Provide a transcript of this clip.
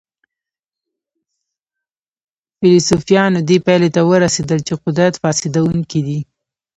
فلسفیانو دې پایلې ته ورسېدل چې قدرت فاسدونکی دی.